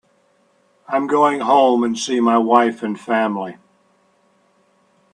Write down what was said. I'm going home and see my wife and family.